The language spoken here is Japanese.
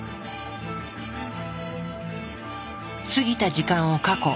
過ぎた時間を「過去」